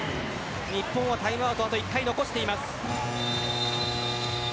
日本はタイムアウトあと１回残しています。